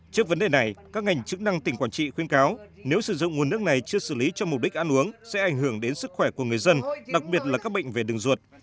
trước vấn đề này các ngành chức năng tỉnh quảng trị khuyên cáo nếu sử dụng nguồn nước này chưa xử lý cho mục đích ăn uống sẽ ảnh hưởng đến sức khỏe của người dân đặc biệt là các bệnh về đường ruột